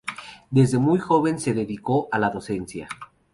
Desde muy joven se dedicó a la docencia.